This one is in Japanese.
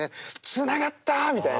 つながったみたいな。